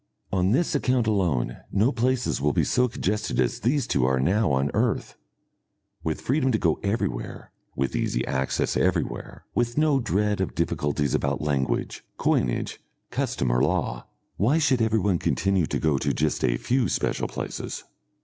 On this account alone no places will be so congested as these two are now on earth. With freedom to go everywhere, with easy access everywhere, with no dread of difficulties about language, coinage, custom, or law, why should everyone continue to go to just a few special places?